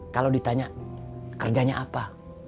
kalau ditanya kerjanya apa